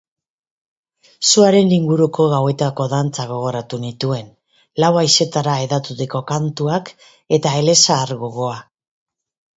Suaren inguruko gauetako dantzak gogoratu nituen, lau haizeetara hedaturiko kantuak, eta elezahar gogoa.